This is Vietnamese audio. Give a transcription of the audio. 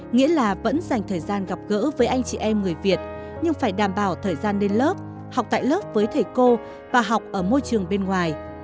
nghĩa là vẫn dành thời gian gặp gỡ với anh chị em người việt nhưng phải đảm bảo thời gian lên lớp học tại lớp với thầy cô và học ở môi trường bên ngoài